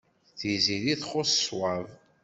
Tiziri txuṣṣ ṣṣwab.